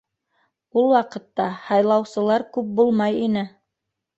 Ул ваҡытта һайлаусылар күп булмай ине.